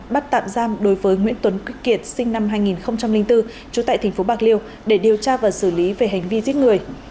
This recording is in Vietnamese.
bắt tạm giam đối với nguyễn tuấn kiệt sinh năm hai nghìn bốn trú tại tp bạc liêu để điều tra và xử lý về hành vi giết người